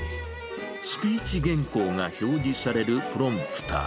スピーチ原稿が表示されるプロンプター。